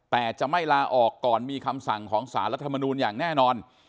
แต่จะไม่ลาออกก่อนมีคำสั่งของสารรัฐมนูลอย่างแน่นอน